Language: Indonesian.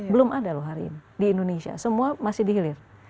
belum ada loh hari ini di indonesia semua masih dihilir